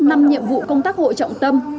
năm nhiệm vụ công tác hội trọng tâm